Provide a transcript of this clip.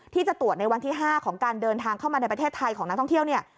ที่จะตรวจในวันที่๕ของการเดินทางเข้ามาในประเทศไทยของนักท่องเที่ยวเนี่ย